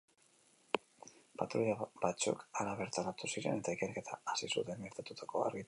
Patruila batzuk hara bertaratu ziren, eta ikerketa hasi zuten gertatutakoa argitzeko.